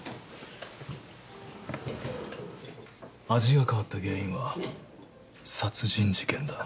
味が変わった原因は殺人事件だ。